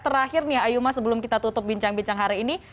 terakhir nih ayuma sebelum kita tutup bincang bincang hari ini